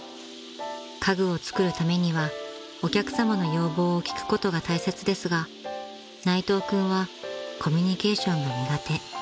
［家具を作るためにはお客さまの要望を聞くことが大切ですが内藤君はコミュニケーションが苦手］